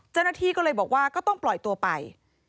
เจ้าหน้าที่ก็เลยบอกว่าก็ต้องปล่อยตัวไป